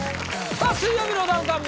さあ「水曜日のダウンタウン」